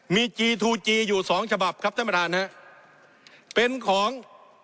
มีจีทูจีอยู่สองฉบับครับท่านประธานฮะเป็นของ